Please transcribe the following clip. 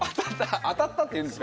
当たったっていうんですかね？